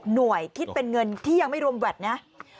หน่วยคิดเป็นเงินที่ยังไม่รวมแวดนะ